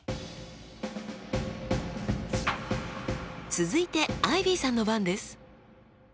続いてアイビーさんの番です。